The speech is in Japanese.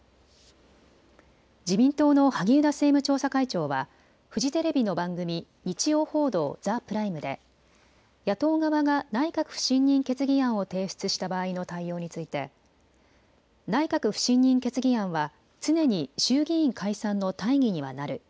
自民党の萩生田政務調査会長はフジテレビの番組、日曜報道ＴＨＥＰＲＩＭＥで野党側が内閣不信任決議案を提出した場合の対応について内閣不信任決議案は常に衆議院解散の大義にはなる。